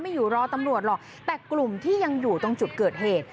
อยู่รอตำรวจหรอกแต่กลุ่มที่ยังอยู่ตรงจุดเกิดเหตุ